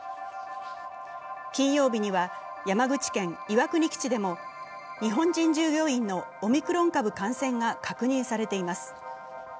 金曜日には山口県・岩国基地でも日本人従業員のオミクロン株感染が確認されています。